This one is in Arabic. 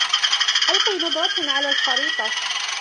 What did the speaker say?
ألقِ نظرةً على هذه الخريطة.